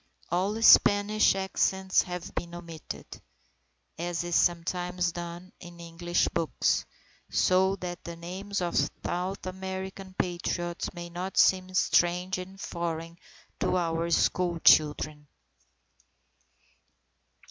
All Spanish accents have been omitted as is sometimes done in English books so that the names of South American Patriots may not seem strange and foreign to our school children.